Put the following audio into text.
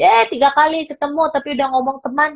yee tiga kali ketemu tapi udah ngomong temen